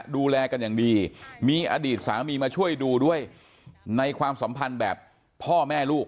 ดูแลกันอย่างดีมีอดีตสามีมาช่วยดูด้วยในความสัมพันธ์แบบพ่อแม่ลูก